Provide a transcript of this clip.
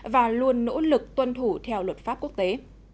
và luôn nỗ lực tuân thủ theo luật pháp quốc tế